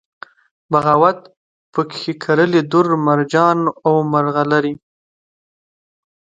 بغاوت پکښې کرلي دُر، مرجان و مرغلرې